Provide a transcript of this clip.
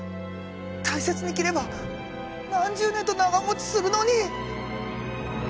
大切に着れば何十年と長もちするのに。